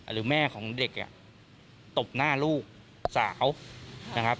หรือแม่ของเด็กตบหน้าลูกสาว